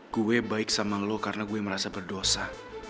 gue baik sama lo karena gue merasa berdosa